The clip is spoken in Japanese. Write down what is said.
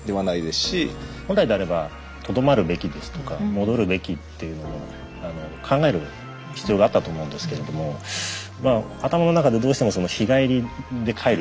本来であればとどまるべきですとか戻るべきっていうのも考える必要があったと思うんですけれども頭の中でどうしても日帰りで帰る日帰りで帰るっていう思いがですね